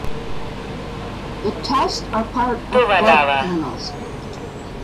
The tests are part of blood panels.